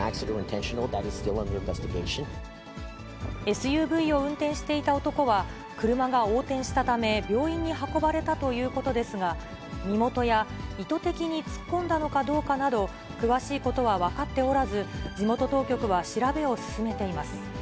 ＳＵＶを運転していた男は車が横転したため、病院に運ばれたということですが、身元や意図的に突っ込んだのかどうかなど、詳しいことは分かっておらず、地元当局は調べを進めています。